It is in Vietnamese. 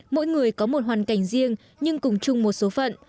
mỗi người có một hoàn cảnh riêng nhưng cùng chung một số phận